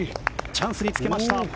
チャンスにつけました。